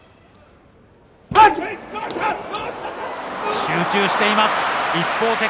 集中しています、一方的。